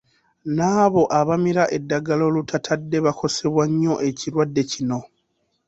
N’abo abamira eddagala olutatadde bakosebwa nnyo ekirwadde kino.